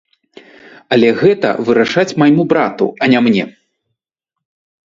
Але гэта вырашаць майму брату, а не мне.